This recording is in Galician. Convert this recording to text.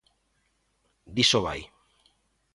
Diso vai.